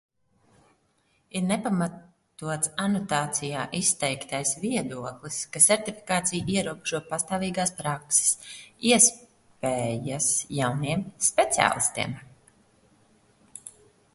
Ir nepamatots anotācijā izteiktais viedoklis, ka sertifikācija ierobežo pastāvīgās prakses iespējas jauniem speciālistiem.